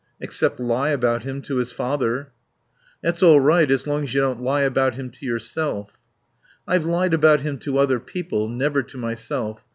Except lie about him to his father." "That's all right as long as you don't lie about him to yourself." "I've lied about him to other people. Never to myself.